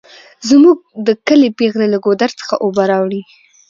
زمونږ د کلي پیغلې له ګودر څخه اوبه راوړي